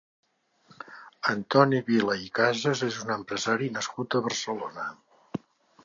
Antoni Vila i Casas és un empresari nascut a Barcelona.